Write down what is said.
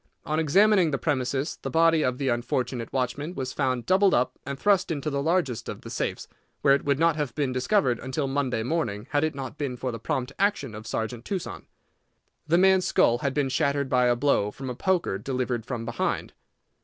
On examining the premises the body of the unfortunate watchman was found doubled up and thrust into the largest of the safes, where it would not have been discovered until Monday morning had it not been for the prompt action of Sergeant Tuson. The man's skull had been shattered by a blow from a poker delivered from behind.